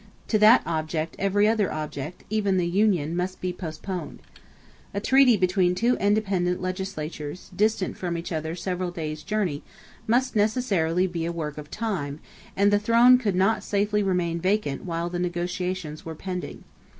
To that object every other object, even the union, must be postponed. A treaty between two independent legislatures, distant from each other several days' journey, must necessarily be a work of time; and the throne could not safely remain vacant while the negotiations were pending.